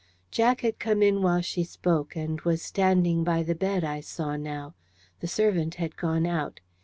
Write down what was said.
Jack had come in while she spoke, and was standing by the bed, I saw now. The servant had gone out.